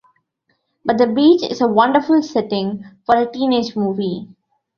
But the beach is a wonderful setting for a teenage movie.